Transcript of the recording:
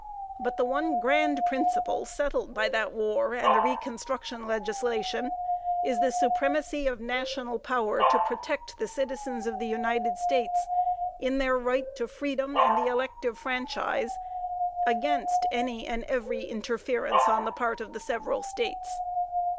But the one grand principle, settled by the war and the reconstruction legislation, is the supremacy of national power to protect the citizens of the United States in their right to freedom and the elective franchise, against any and every interference on the part of the several States.